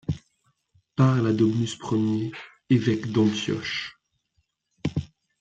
Parle à Domnus premier, évêque d’Antioche